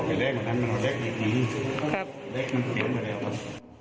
มันมีตามค่าถ้าไปนั่งเขาไปแดกมากัน